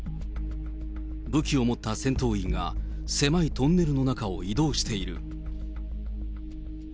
武器を持った戦闘員が狭いトンネルの中を移動している。